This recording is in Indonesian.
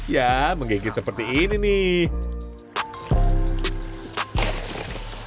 ya menggigit seperti ini nih